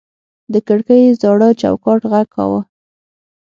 د کړکۍ زاړه چوکاټ غږ کاوه.